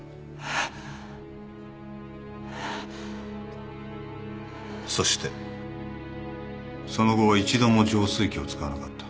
ハァーそしてその後は一度も浄水器を使わなかった。